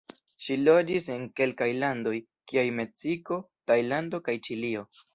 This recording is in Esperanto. Ŝi loĝis en kelkaj landoj, kiaj Meksiko, Tajlando kaj Ĉilio.